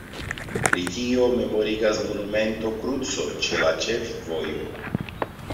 Pri tio memorigas monumento kruco ĉe la ĉefvojo.